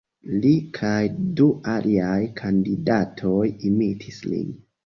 Li kaj du aliaj kandidatoj imitis lin.